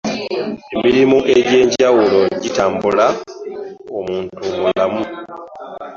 Emirimu egy'enjawulo gitambula omuntu mulamu.